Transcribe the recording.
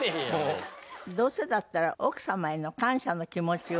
どうせだったら奥様への感謝の気持ちを。